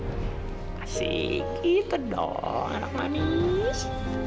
kasih gitu dong anak manis